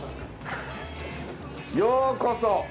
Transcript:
ようこそ。